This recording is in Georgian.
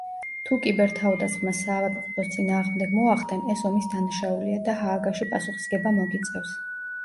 თუ კიბერ-თავდასხმას საავადმყოფოს წინააღმდეგ მოახდენ, ეს ომის დანაშაულია და ჰააგაში პასუხისგება მოგიწევს.